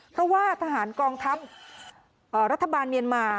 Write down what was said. เพราะว่าทหารกองทัพรัฐบาลเมียนมา